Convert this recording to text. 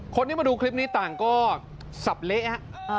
คนที่มาดูคลิปนี้ต่างก็สับเละฮะ